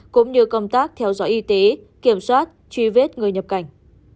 cũng như công tác theo dõi y tế kiểm soát truy vết người nhập cảnh